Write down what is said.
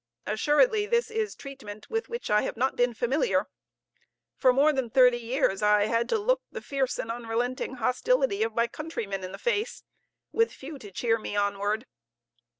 Assuredly, this is treatment with which I have not been familiar. For more than thirty years, I had to look the fierce and unrelenting hostility of my countrymen in the face, with few to cheer me onward.